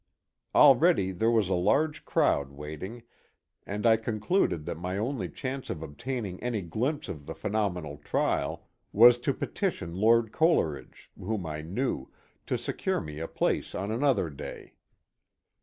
Already there was a large crowd waiting, and I concluded that my only chance of obtaining any glimpse of the phenomenal trial was to petition Lord Coleridge, whom I knew, to secure me a place on another day.